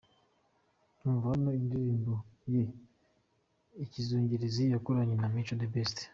Umva hano indirimbo ye ’Ikizungerezi’ yakoranye na Micyo The Best: .